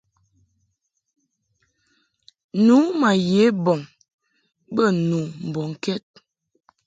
Nu ma ye bɔŋ bə nu mbɔŋkɛd.